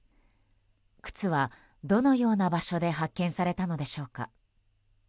靴は、どのような場所で発見されたのでしょうか。